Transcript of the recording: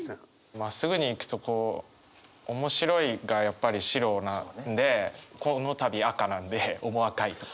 まっすぐにいくとこう面白いがやっぱり「白」なんでこのたび赤なんで面赤いとか。